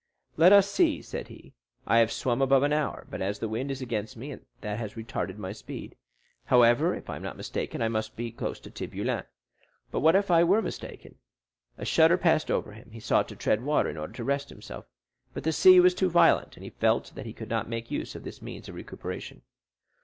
"Let us see," said he, "I have swum above an hour, but as the wind is against me, that has retarded my speed; however, if I am not mistaken, I must be close to Tiboulen. But what if I were mistaken?" A shudder passed over him. He sought to tread water, in order to rest himself; but the sea was too violent, and he felt that he could not make use of this means of recuperation.